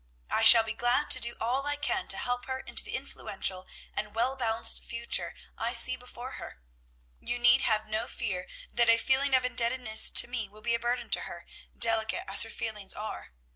I shall be glad to do all I can to help her into the influential and well balanced future I see before her. You need have no fear that a feeling of indebtedness to me will be a burden to her, delicate as her feelings are.